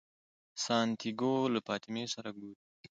سانتیاګو له فاطمې سره ګوري.